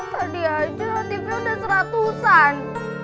tadi aja tv udah seratusan